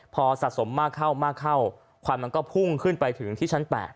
พอสะสมมากเข้ามากเข้าควันมันก็พุ่งขึ้นไปถึงที่ชั้น๘